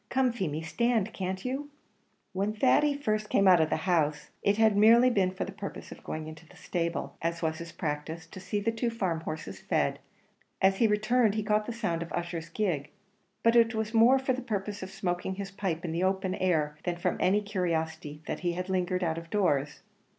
Come, Feemy, stand, can't you?" When Thady had first come out of the house, it had merely been for the purpose of going into the stable, as was his practice, to see the two farm horses fed; as he returned, he caught the sound of Ussher's gig; but it was more for the purpose of smoking his pipe in the open air than from any curiosity that he lingered out of doors.